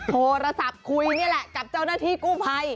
โทรศัพท์คุยนี่แหละกับเจ้าหน้าที่กู้ภัย